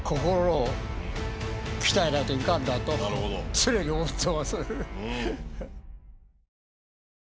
常に思ってます。